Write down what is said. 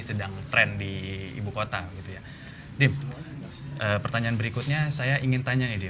sedang trend di ibukota gitu ya pertanyaan berikutnya saya ingin tanya